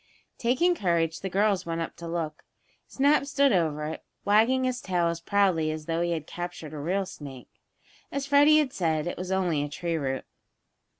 Taking courage, the girls went up to look. Snap stood over it, wagging his tail as proudly as though he had captured a real snake. As Freddie had said, it was only a tree root.